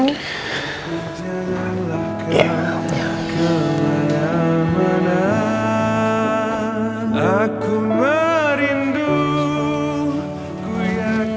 mana mana aku merindu